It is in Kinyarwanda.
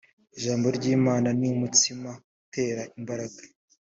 ijambo ry’imana ni umutsima utera imbaraga